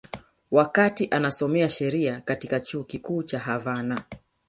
Wakati anasomea sheria katika Chuo Kikuu cha Havana